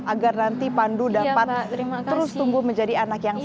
agar nanti pandu dapat terus tumbuh menjadi anak yang sehat